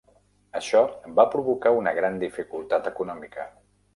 Això va provocar una gran dificultat econòmica.